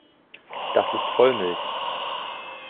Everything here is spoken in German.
Das ist Vollmilch.